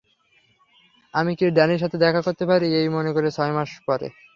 আমি কি ড্যানির সাথে দেখা করতে পারি, এই মনে করো ছয় মাস পরে?